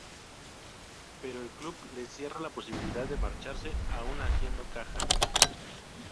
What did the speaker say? Pero el club le cierra la posibilidad de marcharse, aún haciendo caja.